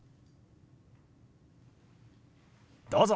どうぞ。